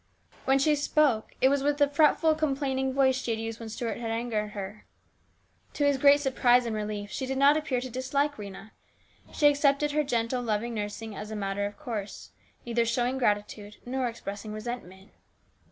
When she spoke, it was with the fretful, complaining voice she had used when Stuart had angered her. To his great surprise and relief, she did not appear to dislike Rhena. She accepted her gentle, loving nursing as a matter of course, neither showing gratitude nor expressing resentment.